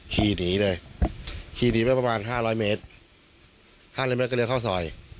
ขี่หนีเลยขี่หนีประมาณ๕๐๐เมตร๕๐๐เมตรก็เดินเข้าซอย